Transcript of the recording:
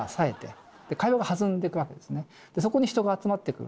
そこに人が集まってくる。